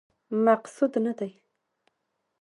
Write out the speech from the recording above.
مقصود نه دی.